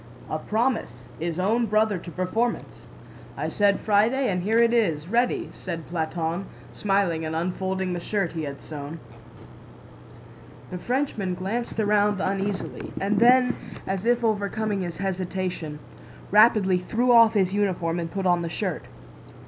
"A promise is own brother to performance! I said Friday and here it is, ready," said Platón, smiling and unfolding the shirt he had sewn. The Frenchman glanced around uneasily and then, as if overcoming his hesitation, rapidly threw off his uniform and put on the shirt.